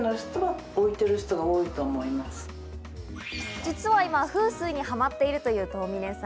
実は今、風水にハマっているという遠峰さん。